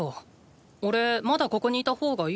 まだここに居た方がいい？